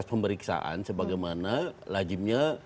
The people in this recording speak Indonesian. sementara saya mau mulai ya